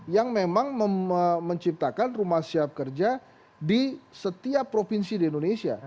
yang memang menciptakan rumah siap kerja di setiap provinsi di indonesia